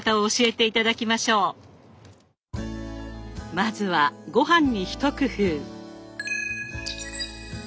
まずはごはんに一工夫。